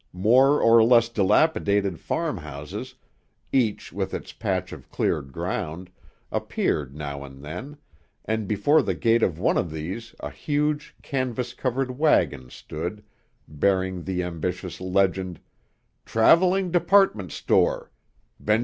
More or less dilapidated farm houses, each with its patch of cleared ground, appeared now and then, and before the gate of one of these a huge, canvas covered wagon stood, bearing the ambitious legend: TRAVELING DEPARTMENT STORE BENJ.